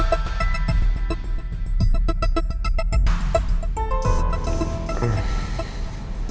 oh iya rizky putri ya